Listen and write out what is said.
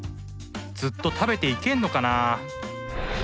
ずっと食べていけんのかなあ。